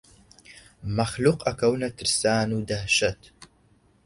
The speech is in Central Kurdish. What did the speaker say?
مەخلووق ئەکەونە ترسان و دەهشەت